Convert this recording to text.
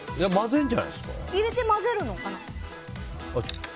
入れて混ぜるのかな？